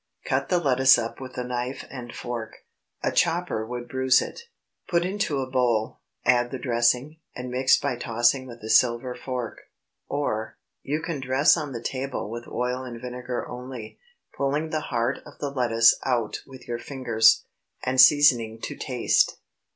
Cut the lettuce up with a knife and fork,—a chopper would bruise it,—put into a bowl, add the dressing, and mix by tossing with a silver fork. Or, You can dress on the table with oil and vinegar only, pulling the heart of the lettuce out with your fingers, and seasoning to taste.